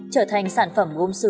trở thành sản phẩm gốm sứ xuân quan